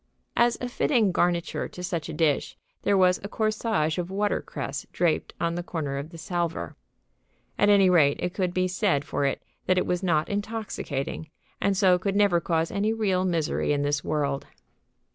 As a fitting garniture to such a dish, there was a corsage of watercress draped on the corner of the salver. At any rate, it could be said for it that it was not intoxicating, and so could never cause any real misery in this world.